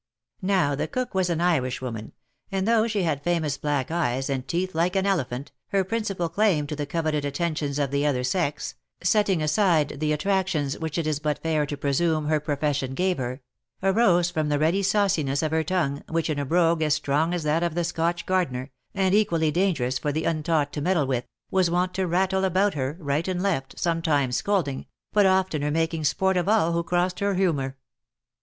Now the cook was an Irishwoman ; and though she had famous black eyes, and teeth like an elephant, her principal claim to the coveted attentions of the other sex (setting aside the attractions which it is but fair to presume her profession gave her), arose from the ready sauciness of her tongue, which, in a brogue as strong as that of the Scotch gardener, and equally dangerous for the untaught to meddle with, was wont to rattle about her, right and left, some times scolding, but oftener making sport of all who crossed her humour.